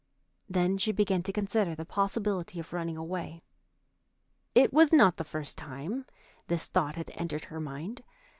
Then she began to consider the possibility of running away. It was not the first time this thought had entered her mind.